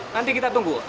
nanti kita tunggu